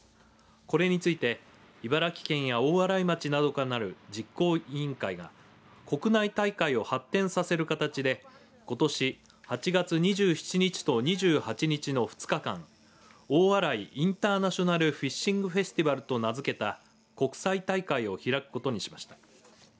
これについて茨城県や大洗町などからなる実行委員会が国内大会を発展させる形でことし８月２７日と２８日の２日間大洗インターナショナルフィッシングフェスティバルと名づけた国際大会を開くことにしました。